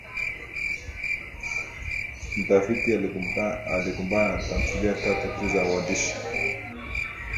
Mtafiti alikumbana na tamthilia tatu tu za waandishi